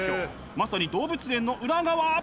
まさに動物園の裏側！